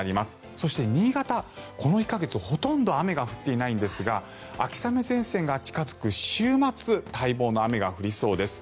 そして新潟、この１か月ほとんど雨が降っていないんですが秋雨前線が近付く週末待望の雨が降りそうです。